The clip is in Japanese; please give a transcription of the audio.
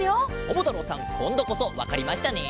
ももたろうさんこんどこそわかりましたね？